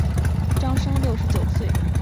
张升六十九岁致仕。